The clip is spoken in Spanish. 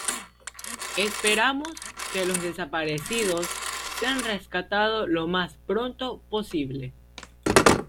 Esperamos que los desaparecidos sean rescatados lo más pronto posible".